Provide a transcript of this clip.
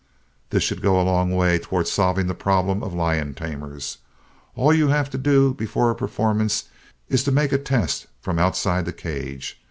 This should go a long way toward solving the problems of lion tamers. All you have to do before a performance is to make a test from outside the cage.